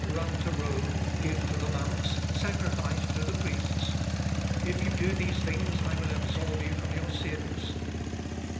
run to Rome! give to the monks! sacrifice to the priests! If you do these things I will absolve you from your sins!